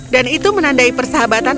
dan itu menandai persahabatan